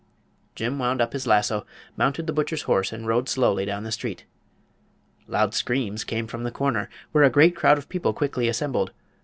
Jim wound up his lasso, mounted the butcher's horse and rode slowly down the street. Loud screams came from the corner, where a great crowd of people quickly assembled.